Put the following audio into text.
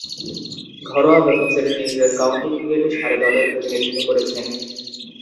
ঘরোয়া প্রথম-শ্রেণীর ইংরেজ কাউন্টি ক্রিকেটে সারে দলের প্রতিনিধিত্ব করেছেন।